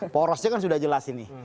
porosnya kan sudah jelas ini